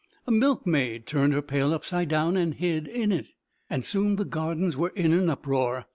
A milkmaid turned her pail upside down and hid in it. Soon the Gardens were in an uproar.